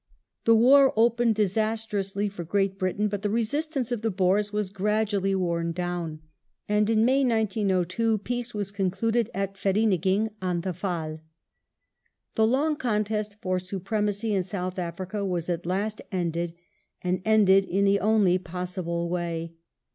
The war opened disastrously for Great Britain, but the resistance of the Boers was gradually worn down, and in May, 1902, peace was concluded at Vereeniging on the Vaal. "^ The long contest for supremacy in South Africa was at last The ended, and ended in the only possible way.